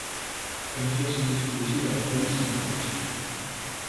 Unterseebootsflottille à La Pallice en France.